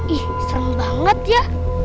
ih serem banget ya